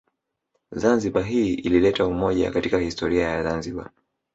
Zanzibar hii ilileta umoja katika historia ya zanzibar